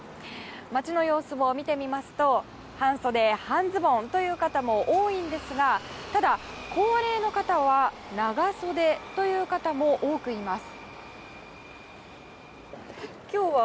街の様子を見てみますと半袖半ズボンという方も多いんですがただ、高齢の方は長袖という方も多くいます。